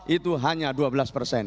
itu hanya dua belas persen